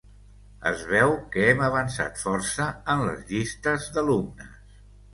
Es veu que hem avançat força en les llistes d'alumnes.